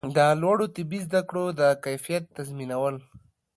د لوړو طبي زده کړو د کیفیت تضمینول